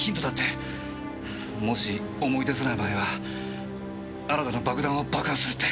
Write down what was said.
もし思い出せない場合は新たな爆弾を爆破するって。